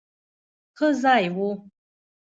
ښه ځای وو.